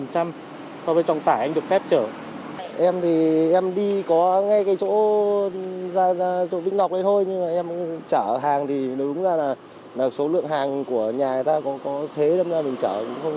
so với trọng tải được phép chở